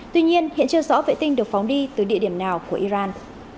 tuy nhiên hiện chưa rõ vệ tinh được phóng đi từ địa điểm nào của iran